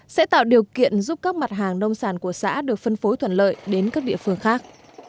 sẽ tạo điều kiện giúp các mặt hàng nông sản của xã được phân phối thuận lợi đến các địa phương khác